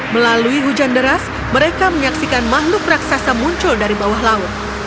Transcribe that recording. melalui hujan deras mereka menyaksikan makhluk raksasa muncul dari bawah laut